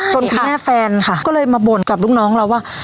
คุณแม่แฟนค่ะก็เลยมาบ่นกับลูกน้องเราว่า